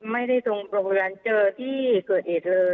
ไม่ได้ตรงโรงพยาบาลเจอที่เกิดเหตุเลย